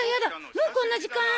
もうこんな時間！